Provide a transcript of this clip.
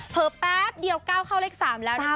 แป๊บเดียวก้าวเข้าเลข๓แล้วนะคะ